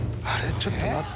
ちょっと待って。